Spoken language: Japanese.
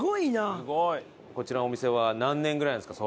こちらのお店は何年ぐらいなんですか？